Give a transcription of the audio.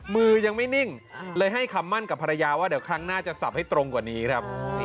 มือยังไม่นิ่งเลยให้คำมั่นกับภรรยาว่าเดี๋ยวครั้งหน้าจะสับให้ตรงกว่านี้ครับ